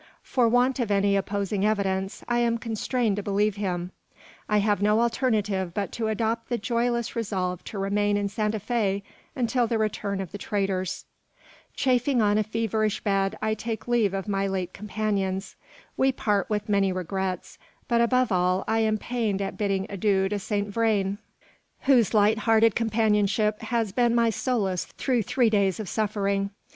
For want of any opposing evidence, I am constrained to believe him. I have no alternative but to adopt the joyless resolve to remain in Santa Fe until the return of the traders. Chafing on a feverish bed, I take leave of my late companions. We part with many regrets; but, above all, I am pained at bidding adieu to Saint Vrain, whose light hearted companionship has been my solace through three days of suffering.